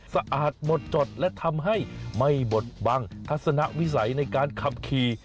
สะอาดหมดจดและทำให้ไม่บดบังทัศนวิสัยในการขับขี่